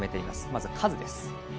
まず数です。